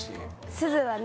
すずはね